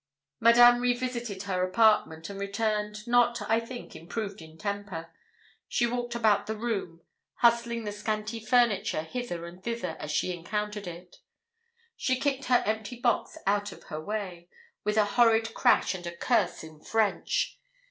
Madame revisited her apartment, and returned, not, I think, improved in temper. She walked about the room, hustling the scanty furniture hither and thither as she encountered it. She kicked her empty box out of her way, with a horrid crash, and a curse in French.